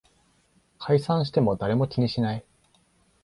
解散しても誰も気にしない